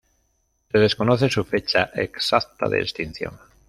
Se desconoce su fecha exacta de extinción.